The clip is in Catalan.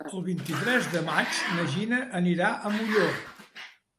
El vint-i-tres de maig na Gina anirà a Molló.